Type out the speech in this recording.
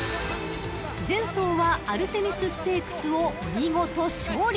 ［前走はアルテミスステークスを見事勝利］